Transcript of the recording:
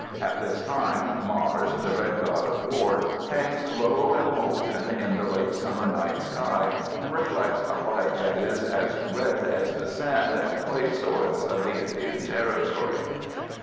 At this time Mars, the red God of War, hangs low and molten in the late summer night's sky and reflects a light that is as red as the sand and clay soils of the Indian Territory.